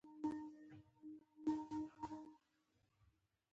ټولې اړتیاوې یې پوره دي.